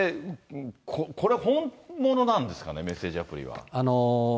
これ本物なんですかね、メッセージアプリは。